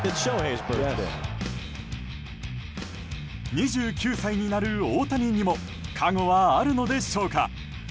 ２９歳になる大谷にも加護はあるのでしょうか。